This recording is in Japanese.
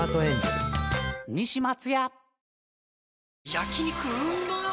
焼肉うまっ